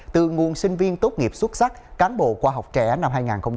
từ nguồn sinh viên tốt nghiệp xuất sắc cán bộ khoa học trẻ năm hai nghìn hai mươi